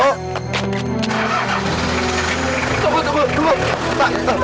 tunggu tunggu tunggu